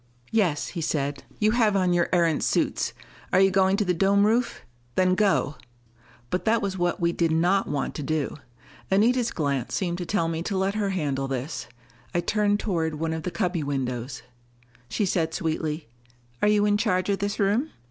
"Yes," he said. "You have on your Erentz suits: are you going to the dome roof? Then go." But that was what we did not want to do. Anita's glance seemed to tell me to let her handle this. I turned toward one of the cubby windows. She said sweetly, "Are you in charge of this room?